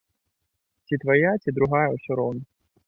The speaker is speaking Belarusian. Ці твая, ці другая, усё роўна!